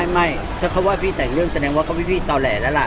ไม่ถ้าเขาว่าพี่แต่งเรื่องแสดงว่าเขาพี่ต่อแหล่แล้วล่ะ